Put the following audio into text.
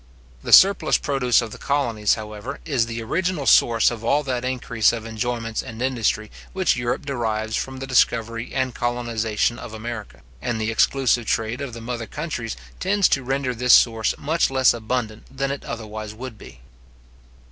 The surplus produce of the colonies, however, is the original source of all that increase of enjoyments and industry which Europe derives from the discovery and colonization of America, and the exclusive trade of the mother countries tends to render this source much less abundant than it otherwise would be.